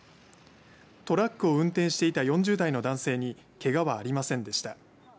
トラックを運転していた４０代の男性にけがはありませんでした。